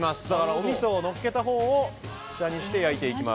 おみそをのっけたほうを下にして焼いていきます。